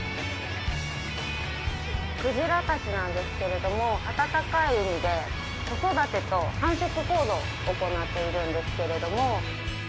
鯨たちなんですけれども、温かい海で子育てと繁殖行動を行っているんですけれども。